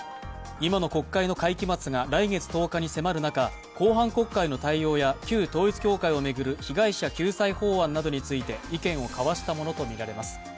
今の国会の会期末が来月１０日に迫る中、後半国会の対応や旧統一教会を巡る被害者救済法案などについて意見を交わしたものとみられます。